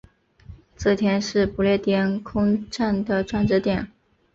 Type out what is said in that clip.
这天是不列颠空战的转折点。